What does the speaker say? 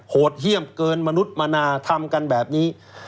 โหดเยี่ยมเกินมนุษย์มนาทำกันแบบนี้